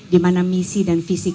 di mana misi dan visi kami